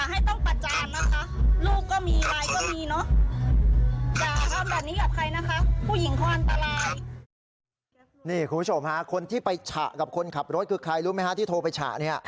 คุณผู้ชมฮะคนที่ไปฉะกับคนขับรถคือใครรู้ไหมฮะที่โทรไปฉะเนี่ย